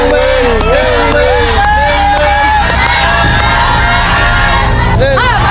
๕มนตร์ครับ